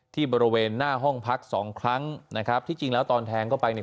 ที่บริเวณหน้าห้องพักสองครั้งนะครับที่จริงแล้วตอนแทงเข้าไปเนี่ย